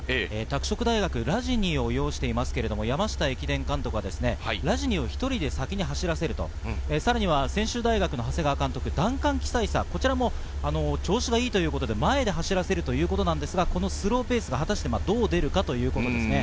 拓殖大学・ラジニを擁していますけれども、山下駅伝監督はラジニを１人で先に走らせると、さらには専修大学の長谷川監督、ダンカン・キサイサの調子がいいということで、前で走らせるということですが、スローペースが果たしてどう出るかということですね。